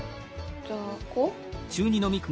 じゃあこう？